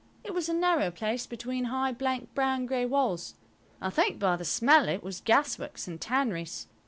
It was a narrow place between high blank brown grey walls. I think by the smell it was gasworks and tanneries.